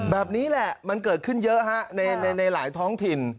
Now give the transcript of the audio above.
แบบนี้แหละมันเกิดขึ้นเยอะฮะในหลายท้องถิ่น